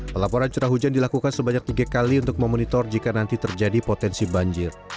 pelaporan curah hujan dilakukan sebanyak tiga kali untuk memonitor jika nanti terjadi potensi banjir